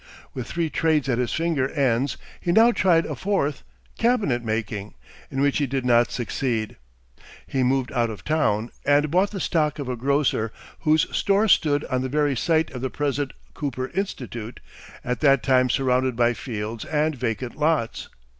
With three trades at his finger ends, he now tried a fourth, cabinet making, in which he did not succeed. He moved out of town, and bought the stock of a grocer, whose store stood on the very site of the present Cooper Institute, at that time surrounded by fields and vacant lots.